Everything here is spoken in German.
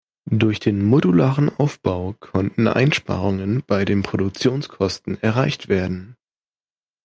Durch den modularen Aufbau konnten Einsparungen bei den Produktionskosten erreicht werden.